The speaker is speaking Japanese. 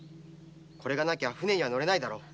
これがないと船には乗れないだろう。